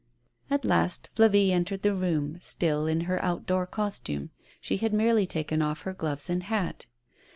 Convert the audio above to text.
At last Flavie entered the room, still in her outdoor costume; she had merely taken off* her gloves and hat.